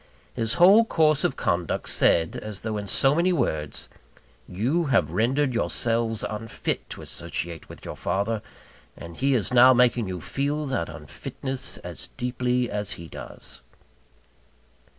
His whole course of conduct said, as though in so many words You have rendered yourselves unfit to associate with your father; and he is now making you feel that unfitness as deeply as he does.